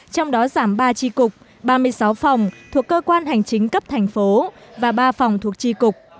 trong đó giảm ba tri cục ba mươi sáu phòng thuộc cơ quan hành chính cấp thành phố và ba phòng thuộc tri cục